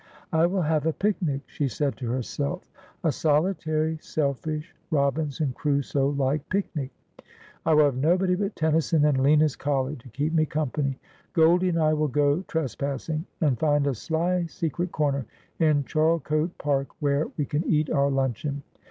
' I will have a picnic' she snid to herself, ' a solitary, selfish, Robinson Crusoe like picnic. I will have nobody but Tennyson and Lina's collie to keep me company. G oldie and I will go trespassing, and find a sly secret corner in Charlecote Park where we can eat our luncheon.